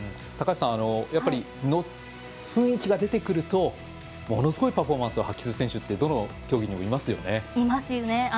高橋さん、やっぱり雰囲気が出てくるとものすごいパフォーマンスを発揮する選手ってどの競技にもいますよね。